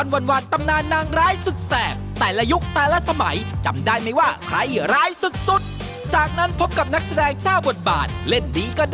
โปรดติดตามตอนต่อไป